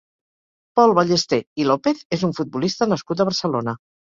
Pol Ballesté i López és un futbolista nascut a Barcelona.